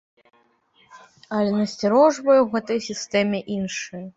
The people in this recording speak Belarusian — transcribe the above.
Але насцярожвае ў гэтай сістэме іншае.